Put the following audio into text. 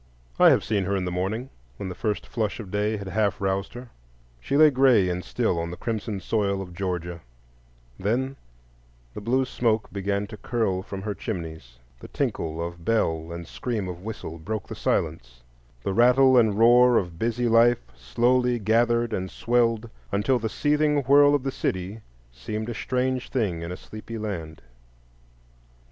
I have seen her in the morning, when the first flush of day had half roused her; she lay gray and still on the crimson soil of Georgia; then the blue smoke began to curl from her chimneys, the tinkle of bell and scream of whistle broke the silence, the rattle and roar of busy life slowly gathered and swelled, until the seething whirl of the city seemed a strange thing in a sleepy land.